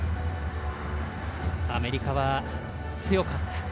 アメリカは、強かった。